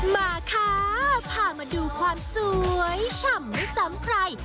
มาค่ะพามาดูความสวยฉ่ำไม่ซ้ำใคร